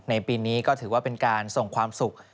ปีนี้ก็ถือว่าเป็นการส่งความสุข